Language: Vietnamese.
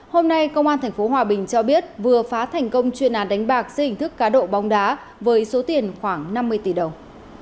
hôm nay công an tp hòa bình cho biết vừa phá thành công chuyên án đánh bạc dưới hình thức cá độ bóng đá với số tiền khoảng năm mươi tỷ đồng